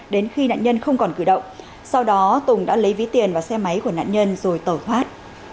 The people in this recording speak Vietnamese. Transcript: đến khi nạn nhân không còn cử động sau đó tùng đã lấy ví tiền và xe máy của nạn nhân rồi tẩu thoát